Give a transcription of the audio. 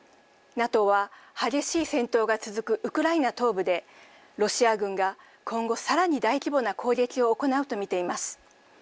ＮＡＴＯは激しい戦闘が続くウクライナ東部で、ロシア軍が今後さらに大規模な攻撃を行うと見ています。